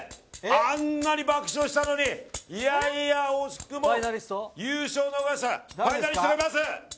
あんなに爆笑したのに惜しくも優勝を逃したファイナリストがいます。